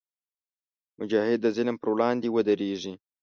مجاهد د ظلم پر وړاندې ودریږي.